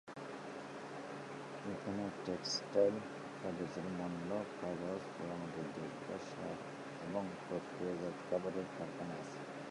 এখানে টেক্সটাইল, কাগজের মণ্ড, কাগজ, পোড়ামাটির দ্রব্য, সার এবং প্রক্রিয়াজাত খাবারের কারখানা আছে।